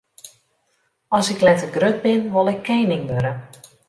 As ik letter grut bin, wol ik kening wurde.